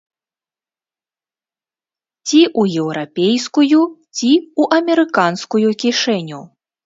Ці ў еўрапейскую, ці ў амерыканскую кішэню.